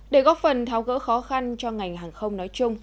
để góp phần tháo gỡ khó khăn cho ngành hàng không nói chung